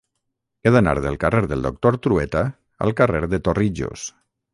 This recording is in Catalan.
He d'anar del carrer del Doctor Trueta al carrer de Torrijos.